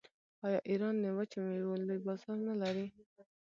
آیا ایران د وچو میوو لوی بازار نلري؟